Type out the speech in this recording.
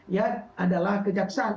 ya adalah kejaksaan